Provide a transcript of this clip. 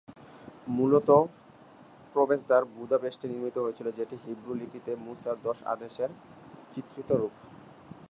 মূল প্রবেশদ্বার বুদাপেস্টে নির্মিত হয়েছিল যেটি হিব্রু লিপিতে মূসার দশ আদেশের চিত্রিত রূপ।